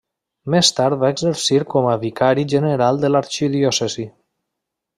Més tard va exercir com a vicari general de l'arxidiòcesi.